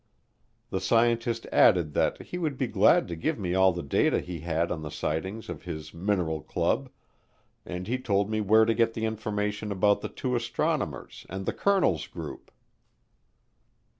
The scientist added that he would be glad to give me all the data he had on the sightings of his "mineral club," and he told me where to get the information about the two astronomers and the colonel's group.